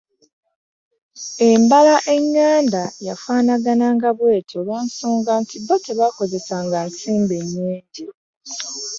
Embala eŋŋanda yafaanananga bw’etyo lwa nsonga nti bo tebaakozesangaa nsimbi nnyingi.